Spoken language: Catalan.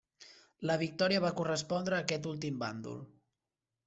La victòria va correspondre a aquest últim bàndol.